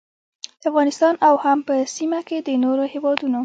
د افغانستان او هم په سیمه کې د نورو هیوادونو